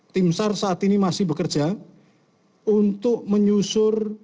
timsar saat ini masih bekerja untuk menyusun